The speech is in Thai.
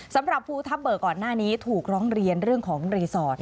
สำหรับภูทับเบิกก่อนหน้านี้ถูกร้องเรียนเรื่องของรีสอร์ท